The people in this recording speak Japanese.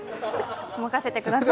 任せてください。